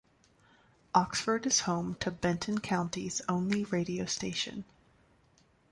Oxford is home to Benton County's only radio station.